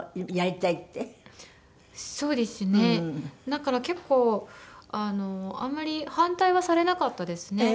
だから結構あんまり反対はされなかったですね。